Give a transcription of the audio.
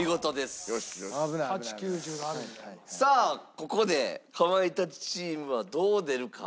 ここでかまいたちチームはどう出るか？